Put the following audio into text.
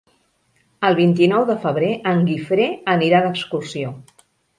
El vint-i-nou de febrer en Guifré anirà d'excursió.